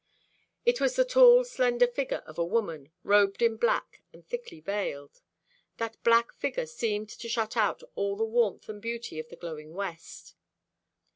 It was the tall slender figure of a woman, robed in black and thickly veiled. That black figure seemed to shut out all the warmth and beauty of the glowing west.